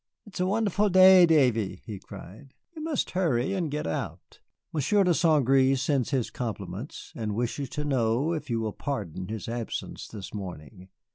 "It is a wonderful day, Davy," he cried; "you must hurry and get out. Monsieur de St. Gré sends his compliments, and wishes to know if you will pardon his absence this morning.